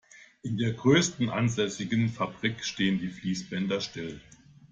In der größten ansässigen Fabrik stehen die Fließbänder still.